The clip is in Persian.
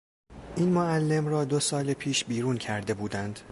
این معلم را دو سال پیش بیرون کرده بودند.